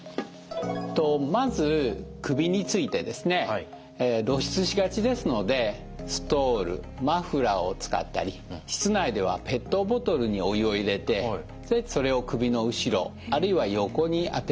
まず首についてですね。露出しがちですのでストールマフラーを使ったり室内ではペットボトルにお湯を入れてそれを首の後ろあるいは横に当てると血管が温まりますよね。